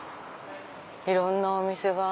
いろんなお店が。